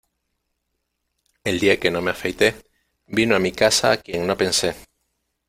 El día que no me afeité, vino a mi casa quien no pensé.